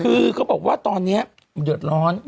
คือเขาบอกว่าตอนนี้เดือดร้อน